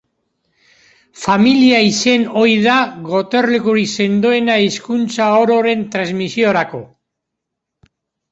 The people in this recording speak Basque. Familia izan ohi da gotorlekurik sendoena hizkuntza ororen transmisiorako.